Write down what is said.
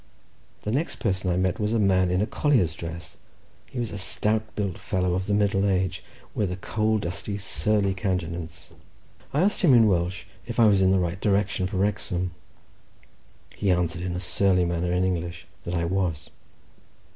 The next person I met was a man in a collier's dress; he was a stout built fellow of the middle age, with a coal dusty, surly countenance. I asked him in Welsh if I was in the right direction for Wrexham, he answered in a surly manner in English that I was.